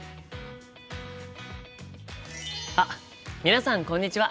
あっ皆さんこんにちは！